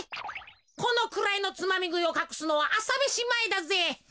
このくらいのつまみぐいをかくすのはあさめしまえだぜ。